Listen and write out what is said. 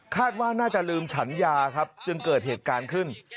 ว่าน่าจะลืมฉันยาครับจึงเกิดเหตุการณ์ขึ้น